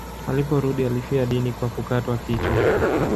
Aliporudi alifia dini kwa kukatwa kichwa.